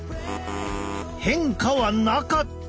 変化はなかった！